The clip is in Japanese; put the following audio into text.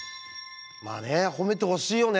まあね褒めてほしいよね。